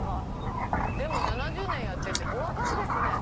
７０年やっててお若いですね。